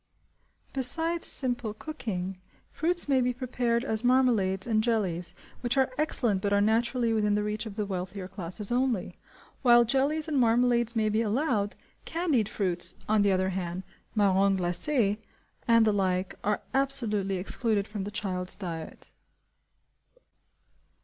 Besides simple cooking, fruits may be prepared as marmalades and jellies, which are excellent but are naturally within the reach of the wealthier classes only. While jellies and marmalades may be allowed, candied fruits,–on the other hand,–marrons glacés, and the like, are absolutely excluded from the child's diet.